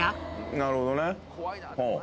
なるほどね。